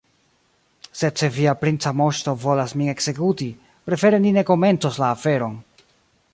Sed se via princa moŝto volas min ekzekuti, prefere ni ne komencos la aferon.